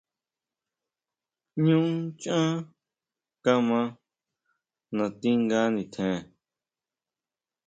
Ñú nchán kama nati nga nitjen.